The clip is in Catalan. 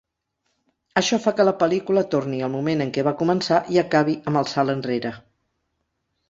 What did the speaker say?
Això fa que la pel·lícula torni al moment en què va començar i acabi amb el salt enrere.